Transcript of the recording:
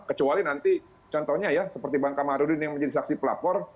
kecuali nanti contohnya ya seperti bang kamarudin yang menjadi saksi pelapor